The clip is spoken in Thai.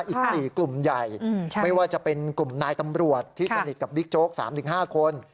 อีก๔กลุ่มใหญ่ไม่ว่าจะเป็นกลุ่มนายตำรวจที่สนิทกับบิ๊กโจ๊ก๓๕คน